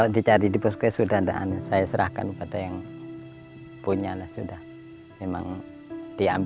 dari ke bawah aja rumahnya